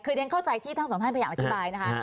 คือเรียนเข้าใจที่ทั้งสองท่านพยายามอธิบายนะคะ